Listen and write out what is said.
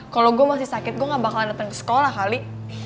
kalau gue masih sakit gue gak bakalan datang ke sekolah kali